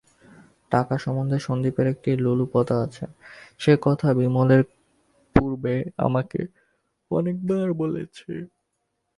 টাকা সম্বন্ধে সন্দীপের একটা লোলুপতা আছে সে কথা বিমল এর পূর্বে আমাকে অনেকবার বলেছে।